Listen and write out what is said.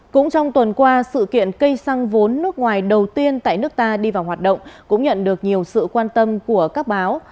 cũng trong tuần qua sự kiện cây xăng vốn nước ngoài đầu tiên tại nước ta đi vào hoạt động cũng nhận được nhiều sự quan tâm của các báo